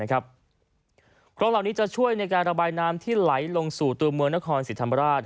โครงเหล่านี้จะช่วยในการระบายน้ำที่ไหลลงสู่ตัวเมืองนครศรีธรรมราช